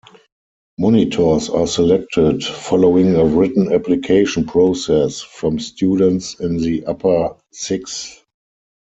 Monitors are selected, following a written application process, from students in the Upper Sixth.